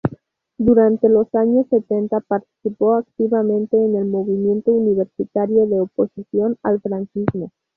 Durante los años setenta participó activamente en el movimiento universitario de oposición al franquismo.